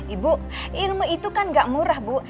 ibu ilmu itu kan gak murah bu